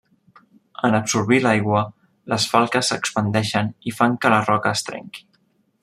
En absorbir l'aigua, les falques s'expandeixen i fan que la roca es trenqui.